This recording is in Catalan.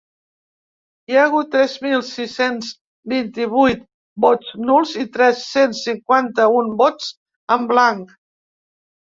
Hi ha hagut tres mil sis-cents vint-i-vuit vots nuls i tres-cents cinquanta-un vots en blanc.